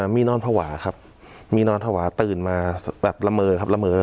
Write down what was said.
มีนอนภาวะครับมีนอนภาวะตื่นมาแบบละเมอครับละเมอ